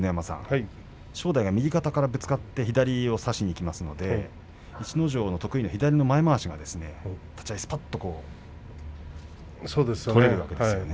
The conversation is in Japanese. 正代が右肩でぶつかって左を差しにいきますので逸ノ城の得意な左の前まわしがスパッと取れるわけですよね。